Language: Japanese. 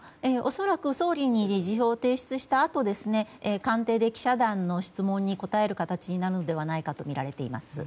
恐らく総理に辞表を提出したあと官邸で記者団の質問に答える形になるのではないかとみられています。